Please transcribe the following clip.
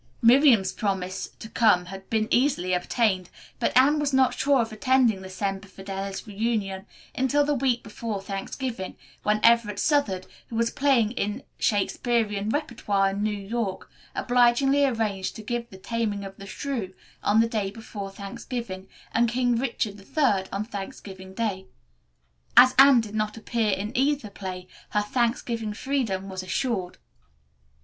Miriam's promise to come had been easily obtained, but Anne was not sure of attending the Semper Fidelis reunion, until the week before Thanksgiving, when Everett Southard, who was then playing in Shakespearian repertoire in New York, obligingly arranged to give the "Taming of the Shrew" on the day before Thanksgiving, and "King Richard III" on Thanksgiving Day. As Anne did not appear in either play, her Thanksgiving freedom was assured.